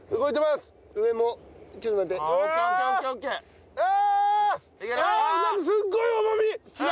すっごい重みが！